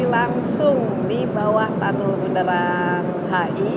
langsung di bawah tanun undaran hi